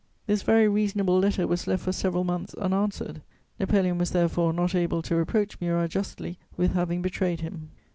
This very reasonable letter was left for several months unanswered; Napoleon was, therefore, not able to reproach Murat justly with having betrayed him.